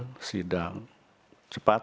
ke retreat ada babak